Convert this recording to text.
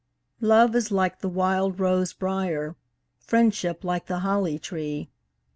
Love is like the wild rose briar; Friendship like the holly tree.